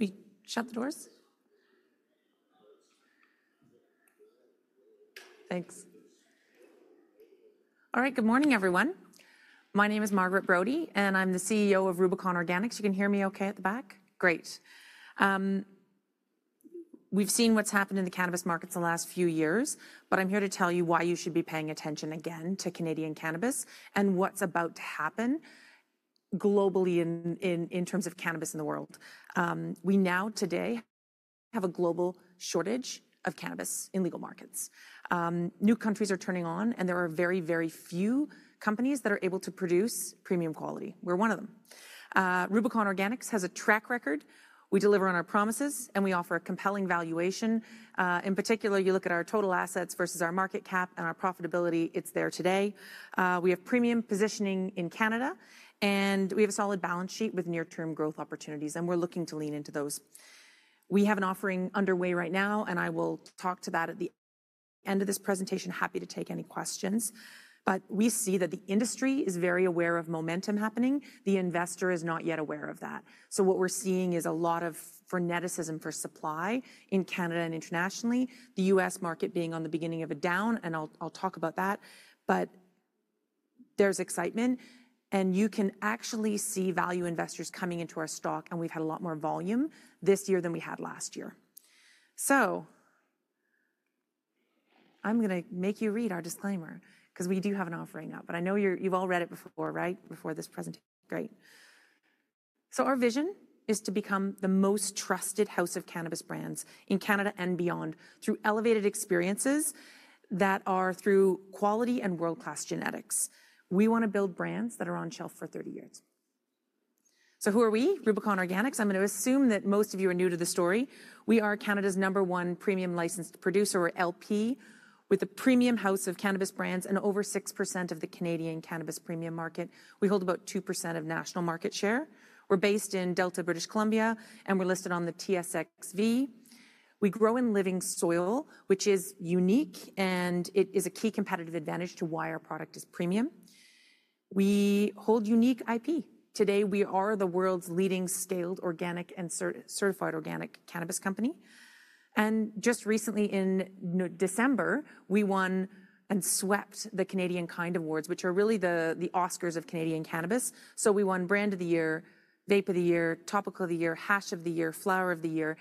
All right, good morning, everyone. My name is Margaret Brodie, and I'm the CEO of Rubicon Organics. You can hear me okay at the back? Great. We've seen what's happened in the cannabis markets the last few years, but I'm here to tell you why you should be paying attention again to Canadian cannabis and what's about to happen globally in terms of cannabis in the world. We now, today, have a global shortage of cannabis in legal markets. New countries are turning on, and there are very, very few companies that are able to produce premium quality. We're one of them. Rubicon Organics has a track record. We deliver on our promises, and we offer a compelling valuation. In particular, you look at our total assets versus our market cap and our profitability, it's there today. We have premium positioning in Canada, and we have a solid balance sheet with near-term growth opportunities, and we're looking to lean into those. We have an offering underway right now, and I will talk to that at the end of this presentation. Happy to take any questions. We see that the industry is very aware of momentum happening. The investor is not yet aware of that. What we're seeing is a lot of freneticism for supply in Canada and internationally, the U.S. market being on the beginning of a down, and I'll talk about that. There is excitement, and you can actually see value investors coming into our stock, and we've had a lot more volume this year than we had last year. I'm going to make you read our disclaimer because we do have an offering up, but I know you've all read it before, right, before this presentation. Great. Our vision is to become the most trusted house of cannabis brands in Canada and beyond through elevated experiences that are through quality and world-class genetics. We want to build brands that are on shelf for 30 years. Who are we? Rubicon Organics. I'm going to assume that most of you are new to the story. We are Canada's number one premium licensed producer, or LP, with a premium house of cannabis brands and over 6% of the Canadian cannabis premium market. We hold about 2% of national market share. We're based in Delta, British Columbia, and we're listed on the TSXV. We grow in living soil, which is unique, and it is a key competitive advantage to why our product is premium. We hold unique IP. Today, we are the world's leading scaled organic and certified organic cannabis company. Just recently, in December, we won and swept the Canadian Kind Awards, which are really the Oscars of Canadian cannabis. We won Brand of the Year, Vape of the Year, Topical of the Year, Hash of the Year, Flower of the Year.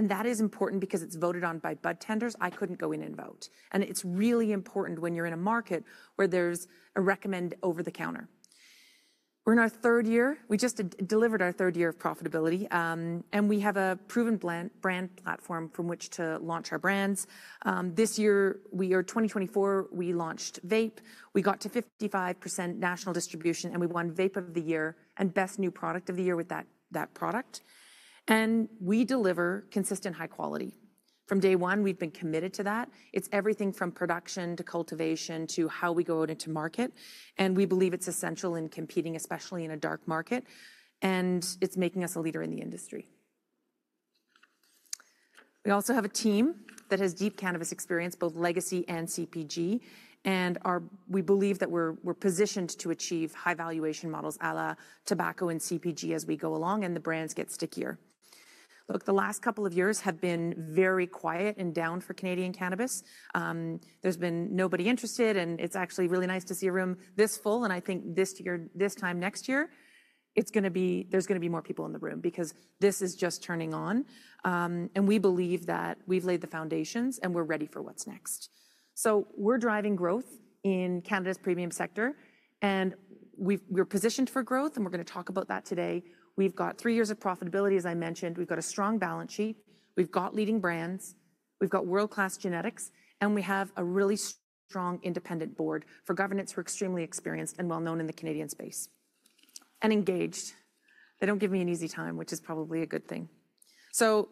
That is important because it's voted on by bud tenders. I couldn't go in and vote. It's really important when you're in a market where there's a recommend over the counter. We're in our third year. We just delivered our third year of profitability, and we have a proven brand platform from which to launch our brands. This year, we are 2024, we launched Vape. We got to 55% national distribution, and we won Vape of the Year and Best New Product of the Year with that product. We deliver consistent high quality. From day one, we've been committed to that. It's everything from production to cultivation to how we go out into market. We believe it's essential in competing, especially in a dark market. It's making us a leader in the industry. We also have a team that has deep cannabis experience, both legacy and CPG. We believe that we're positioned to achieve high valuation models à la tobacco and CPG as we go along, and the brands get stickier. Look, the last couple of years have been very quiet and down for Canadian cannabis. There's been nobody interested, and it's actually really nice to see a room this full. I think this year, this time next year, there's going to be more people in the room because this is just turning on. We believe that we've laid the foundations and we're ready for what's next. We are driving growth in Canada's premium sector, and we're positioned for growth, and we're going to talk about that today. We've got three years of profitability, as I mentioned. We've got a strong balance sheet. We've got leading brands. We've got world-class genetics, and we have a really strong independent board for governance who are extremely experienced and well-known in the Canadian space and engaged. They don't give me an easy time, which is probably a good thing.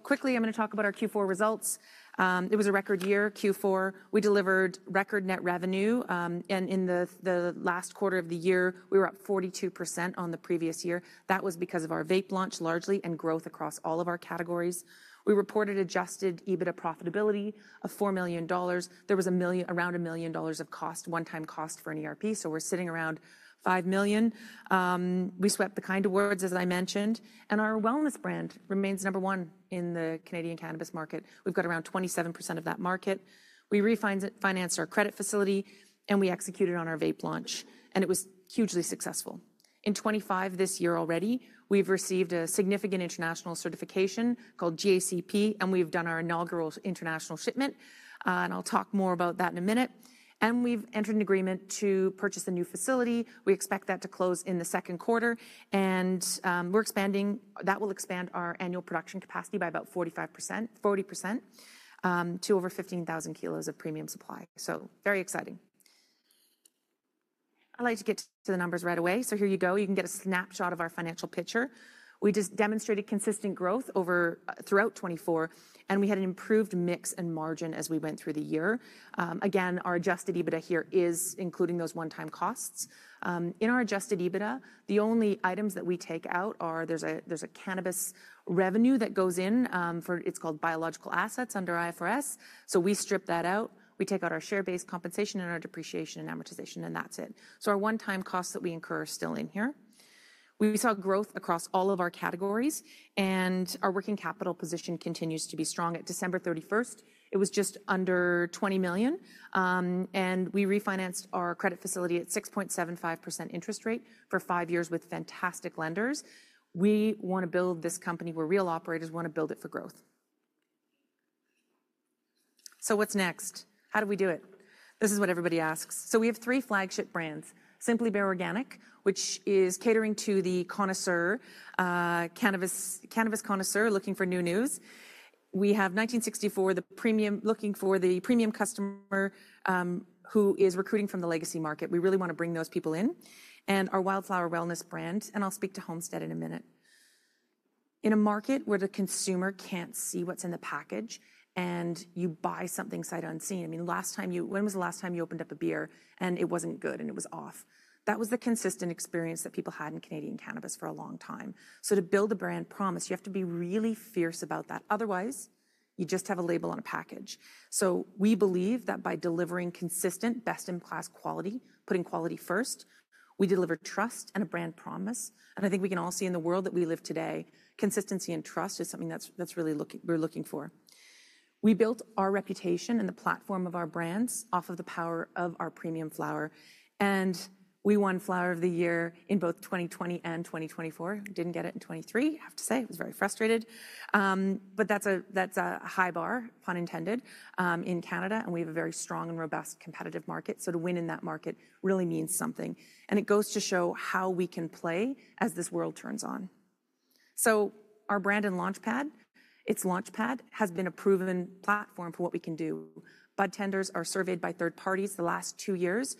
Quickly, I'm going to talk about our Q4 results. It was a record year, Q4. We delivered record net revenue. In the last quarter of the year, we were up 42% on the previous year. That was because of our vape launch largely and growth across all of our categories. We reported Adjusted EBITDA profitability of $4 million. There was around $1 million of one-time cost for an ERP, so we're sitting around $5 million. We swept the kind of awards, as I mentioned. Our wellness brand remains number one in the Canadian cannabis market. We've got around 27% of that market. We refinanced our credit facility, and we executed on our vape launch, and it was hugely successful. In 2025 this year already, we've received a significant international certification called GACP, and we've done our inaugural international shipment. I'll talk more about that in a minute. We've entered an agreement to purchase a new facility. We expect that to close in the second quarter. That will expand our annual production capacity by about 40% to over 15,000 kilos of premium supply. Very exciting. I'd like to get to the numbers right away. Here you go. You can get a snapshot of our financial picture. We just demonstrated consistent growth throughout 2024, and we had an improved mix and margin as we went through the year. Again, our Adjusted EBITDA here is including those one-time costs. In our Adjusted EBITDA, the only items that we take out are there's a cannabis revenue that goes in for it's called biological assets under IFRS. We strip that out. We take out our share-based compensation and our depreciation and amortization, and that's it. Our one-time costs that we incur are still in here. We saw growth across all of our categories, and our working capital position continues to be strong. At December 31, it was just under $20 million. We refinanced our credit facility at 6.75% interest rate for five years with fantastic lenders. We want to build this company where real operators want to build it for growth. What is next? How do we do it? This is what everybody asks. We have three flagship brands: Simply Bare Organics, which is catering to the connoisseur, cannabis connoisseur looking for new news. We have 1964 Supply Co., looking for the premium customer who is recruiting from the legacy market. We really want to bring those people in. Our Wildflower wellness brand, and I will speak to Homestead in a minute. In a market where the consumer can't see what's in the package and you buy something sight unseen, I mean, last time, when was the last time you opened up a beer and it wasn't good and it was off? That was the consistent experience that people had in Canadian cannabis for a long time. To build a brand promise, you have to be really fierce about that. Otherwise, you just have a label on a package. We believe that by delivering consistent, best-in-class quality, putting quality first, we deliver trust and a brand promise. I think we can all see in the world that we live today, consistency and trust is something that we're looking for. We built our reputation and the platform of our brands off of the power of our premium flower. We won flower of the year in both 2020 and 2024. Didn't get it in 2023, I have to say. I was very frustrated. That is a high bar, pun intended, in Canada, and we have a very strong and robust competitive market. To win in that market really means something. It goes to show how we can play as this world turns on. Our brand and launchpad, its launchpad has been a proven platform for what we can do. Bud tenders are surveyed by third parties the last two years.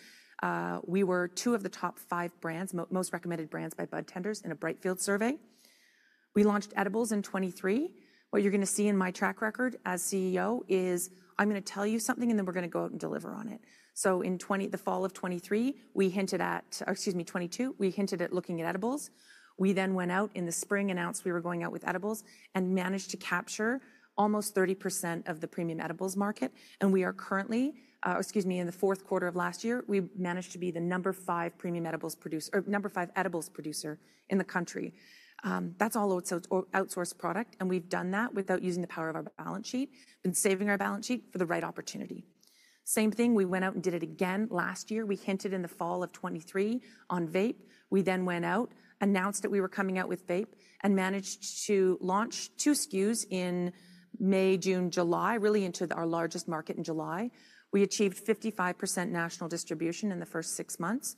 We were two of the top five brands, most recommended brands by bud tenders in a Brightfield survey. We launched edibles in 2023. What you're going to see in my track record as CEO is I'm going to tell you something, and then we're going to go out and deliver on it. In the fall of 2022, we hinted at looking at edibles. We then went out in the spring, announced we were going out with edibles, and managed to capture almost 30% of the premium edibles market. We are currently, or excuse me, in the fourth quarter of last year, we managed to be the number five premium edibles producer in the country. That is all outsourced product, and we have done that without using the power of our balance sheet and saving our balance sheet for the right opportunity. Same thing, we went out and did it again last year. We hinted in the fall of 2023 on vape. We then went out, announced that we were coming out with vape, and managed to launch two SKUs in May, June, July, really into our largest market in July. We achieved 55% national distribution in the first six months.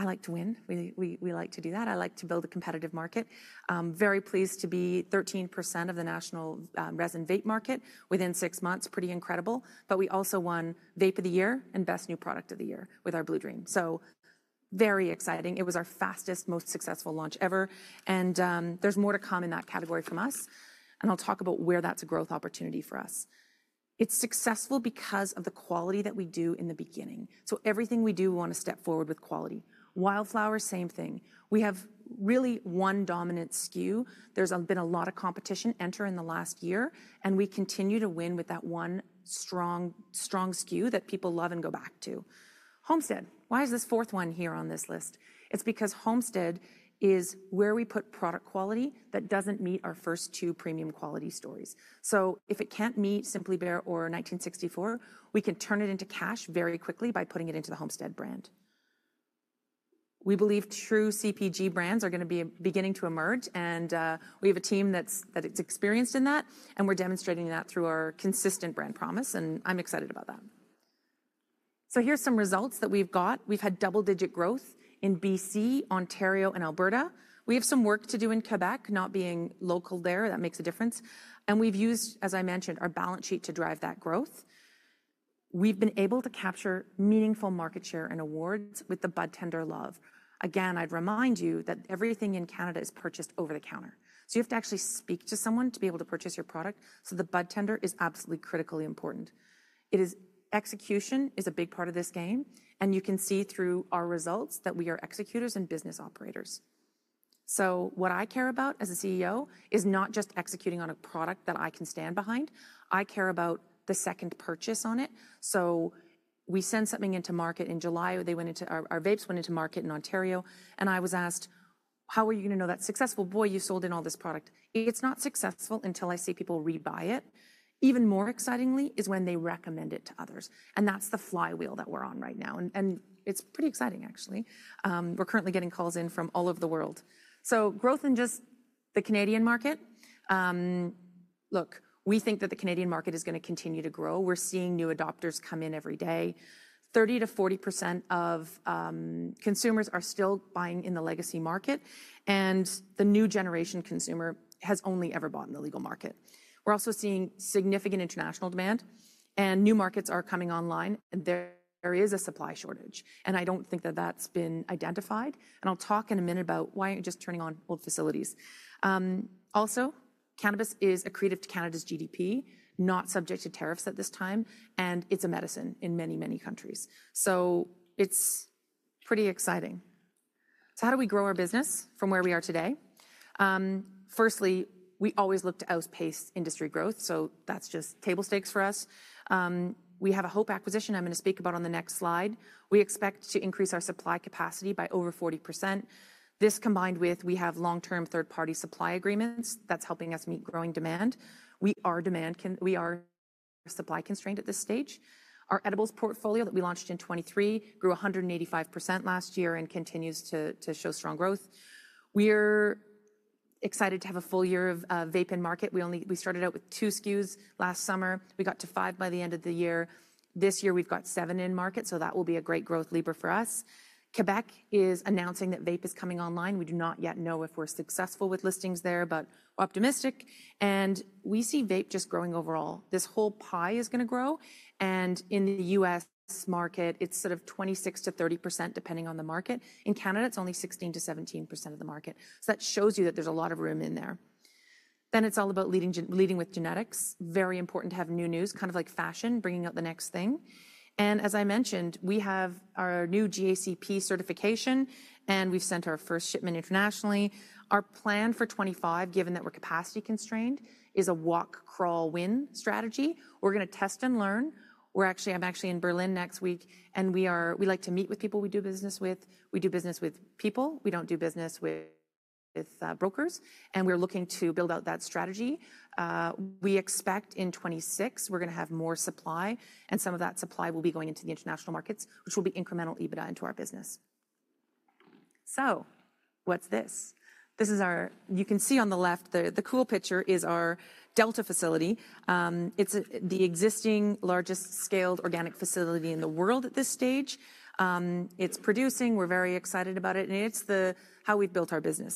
I like to win. We like to do that. I like to build a competitive market. Very pleased to be 13% of the national resin vape market within six months. Pretty incredible. We also won Vape of the Year and Best New Product of the Year with our Blue Dream. Very exciting. It was our fastest, most successful launch ever. There is more to come in that category from us. I will talk about where that is a growth opportunity for us. It is successful because of the quality that we do in the beginning. Everything we do, we want to step forward with quality. Wildflower, same thing. We have really one dominant SKU. There's been a lot of competition enter in the last year, and we continue to win with that one strong SKU that people love and go back to. Homestead, why is this fourth one here on this list? It's because Homestead is where we put product quality that doesn't meet our first two premium quality stories. So if it can't meet Simply Bare or 1964, we can turn it into cash very quickly by putting it into the Homestead brand. We believe true CPG brands are going to be beginning to emerge, and we have a team that's experienced in that, and we're demonstrating that through our consistent brand promise, and I'm excited about that. Here's some results that we've got. We've had double-digit growth in British Columbia, Ontario, and Alberta. We have some work to do in Quebec, not being local there. That makes a difference. We have used, as I mentioned, our balance sheet to drive that growth. We have been able to capture meaningful market share and awards with the bud tender love. I would remind you that everything in Canada is purchased over the counter. You have to actually speak to someone to be able to purchase your product. The bud tender is absolutely critically important. Execution is a big part of this game, and you can see through our results that we are executors and business operators. What I care about as CEO is not just executing on a product that I can stand behind. I care about the second purchase on it. We sent something into market in July. Our vapes went into market in Ontario, and I was asked, how are you going to know that is successful? Boy, you sold in all this product. It's not successful until I see people rebuy it. Even more excitingly is when they recommend it to others. That's the flywheel that we're on right now. It's pretty exciting, actually. We're currently getting calls in from all over the world. Growth in just the Canadian market. Look, we think that the Canadian market is going to continue to grow. We're seeing new adopters come in every day. 30%-40% of consumers are still buying in the legacy market, and the new generation consumer has only ever bought in the legal market. We're also seeing significant international demand, and new markets are coming online, and there is a supply shortage. I don't think that that's been identified. I'll talk in a minute about why aren't you just turning on old facilities. Also, cannabis is accretive to Canada's GDP, not subject to tariffs at this time, and it's a medicine in many, many countries. It is pretty exciting. How do we grow our business from where we are today? Firstly, we always look to outpace industry growth, so that's just table stakes for us. We have a HOPE acquisition I'm going to speak about on the next slide. We expect to increase our supply capacity by over 40%. This, combined with long-term third-party supply agreements, is helping us meet growing demand. Our demand, we are supply constrained at this stage. Our edibles portfolio that we launched in 2023 grew 185% last year and continues to show strong growth. We're excited to have a full year of vape in market. We started out with two SKUs last summer. We got to five by the end of the year. This year we've got seven in market, so that will be a great growth lever for us. Quebec is announcing that vape is coming online. We do not yet know if we're successful with listings there, but optimistic. We see vape just growing overall. This whole pie is going to grow. In the U.S. market, it's sort of 26%-30% depending on the market. In Canada, it's only 16%-17% of the market. That shows you that there's a lot of room in there. It's all about leading with genetics. Very important to have new news, kind of like fashion, bringing out the next thing. As I mentioned, we have our new GACP certification, and we've sent our first shipment internationally. Our plan for 2025, given that we're capacity constrained, is a walk, crawl, win strategy. We're going to test and learn. I'm actually in Berlin next week, and we like to meet with people we do business with. We do business with people. We don't do business with brokers. We're looking to build out that strategy. We expect in 2026 we're going to have more supply, and some of that supply will be going into the international markets, which will be incremental EBITDA into our business. What's this? This is our, you can see on the left, the cool picture is our Delta facility. It's the existing largest scaled organic facility in the world at this stage. It's producing. We're very excited about it. It's how we've built our business.